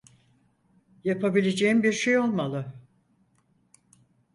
Yapabileceğin bir şey olmalı.